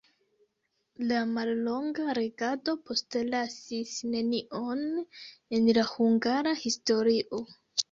La mallonga regado postlasis nenion en la hungara historio.